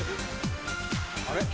あれ？